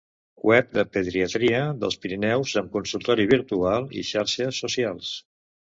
Web de pediatria dels Pirineus, amb consultori virtual i xarxes socials.